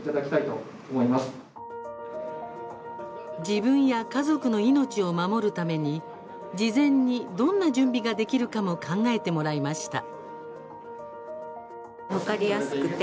自分や家族の命を守るために事前にどんな準備ができるかも考えてもらいました。